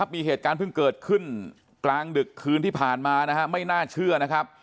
มีเหตุการณ์เพิ่งเกิดขึ้นกลางดึกคืนที่ผ่านมาไม่น่าเชื่อนะครับ